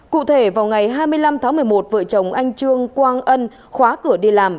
cụ thể vào ngày hai mươi năm tháng một mươi một vợ chồng anh trương quang ân khóa cửa đi làm